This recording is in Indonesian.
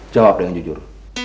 jawab dengan jujur